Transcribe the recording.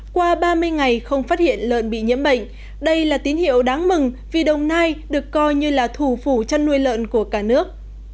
qua ba mươi ngày không phát hiện lợn bị nhiễm bệnh đây là tín hiệu đáng mừng vì đồng nai được coi như là thủ phủ chăn nuôi lợn của cả nước